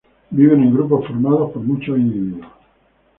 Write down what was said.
Viven en grupos formados por muchos individuos.